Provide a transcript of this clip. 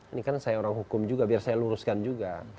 ini kan saya orang hukum juga biar saya luruskan juga